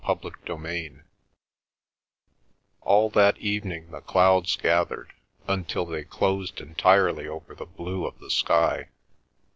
CHAPTER XXVII All that evening the clouds gathered, until they closed entirely over the blue of the sky.